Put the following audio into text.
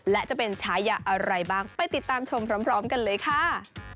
และจะเป็นฉายาอะไรบ้างไปติดตามชมพร้อมกันเลยค่ะ